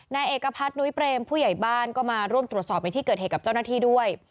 นายเอกพัฒนุ้ยเปรมผู้ใหญ่บ้านก็มาร่วมตรวจสอบในที่เกิดเหตุกับเจ้าหน้าที่ด้วย